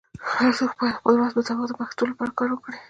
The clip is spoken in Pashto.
هرڅوک باید د خپل وس مطابق د پښتو لپاره کار وکړي.